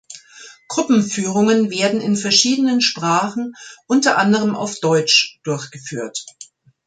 Gruppenführungen werden in verschiedenen Sprachen, unter anderem auf deutsch, durchgeführt.